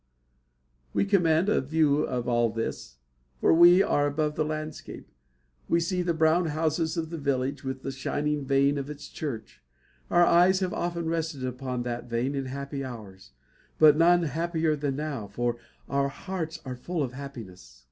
We command a view of all this, for we are above the landscape. We see the brown houses of the village, with the shining vane of its church. Our eyes have often rested upon that vane in happy hours, but none happier than now, for our hearts are full of happiness.